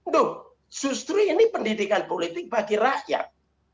duh justru ini pendidikan politik bagi rakyat